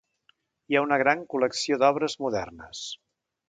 Hi ha una gran col·lecció d'obres modernes.